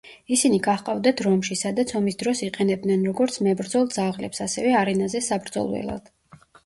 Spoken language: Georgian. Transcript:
ისინი გაჰყავდათ რომში, სადაც ომის დროს იყენებდნენ, როგორც მებრძოლ ძაღლებს, ასევე არენაზე საბრძოლველად.